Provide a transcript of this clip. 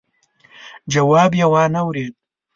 جواب يې وانه ورېد.